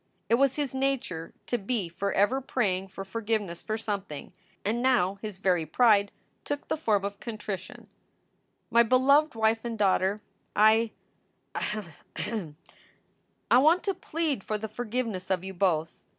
It was his nature to be forever praying for for giveness for something, and now his very pride took the form of contrition: "My beloved wife and daughter, I ahem, ahum! I want to plead for the forgiveness of you both.